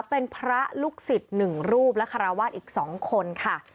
เป็นพระลูกศิษย์๑รูปและคาราวาสอีก๒คนค่ะ